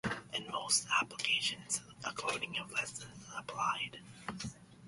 In most applications a coating of less than is applied.